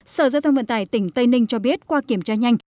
sở giao thông vận tải tỉnh tây ninh cho biết qua kiểm tra nhanh